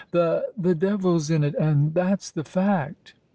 the—the devil's in it—and that's the fact!"